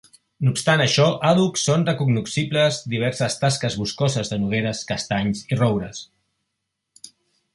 No obstant això àdhuc són recognoscibles diverses taques boscoses de nogueres, castanys i roures.